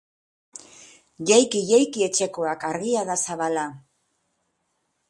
Jaiki, jaiki etxekoak, argia da zabala!